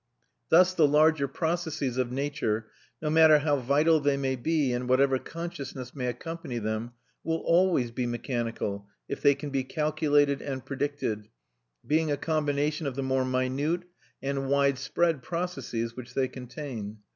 Thus the larger processes of nature, no matter how vital they may be and whatever consciousness may accompany them, will always be mechanical if they can be calculated and predicted, being a combination of the more minute and widespread processes which they contain.